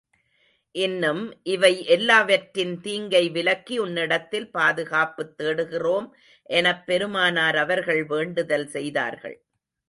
இன்னும், இவை எல்லாவற்றின் தீங்கை விலக்கி, உன்னிடத்தில் பாதுகாப்புத் தேடுகிறோம் எனப் பெருமானார் அவர்கள் வேண்டுதல் செய்தார்கள்.